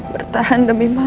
bertahan demi mama